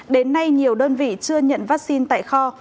đến nay nhiều đơn vị chưa nhận vaccine tại kho